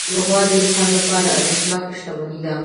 غوا د انسان لپاره ارزښتناکه شتمني ده.